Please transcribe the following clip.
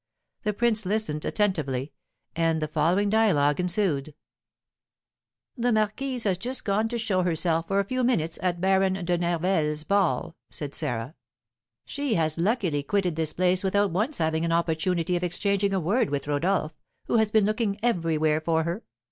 The prince listened attentively, and the following dialogue ensued: "The marquise has just gone to show herself for a few minutes at Baron de Nerval's ball," said Sarah; "she has luckily quitted this place without once having an opportunity of exchanging a word with Rodolph, who has been looking everywhere for her.